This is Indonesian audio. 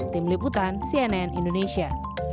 tim liputan cnn indonesia